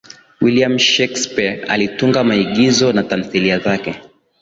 william shakespeare alitunga maigizo na tamthiliya zake